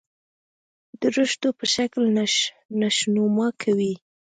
درشتو په شکل نشونما کوي.